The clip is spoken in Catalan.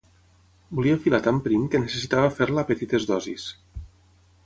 Volia filar tan prim que necessitava fer-la a petites dosis.